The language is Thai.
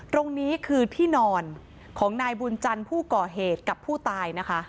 ตรงนี้คือที่นอนของนายบุญจันทร์ผู้ก่อเหตุกับผู้ตายนะคะ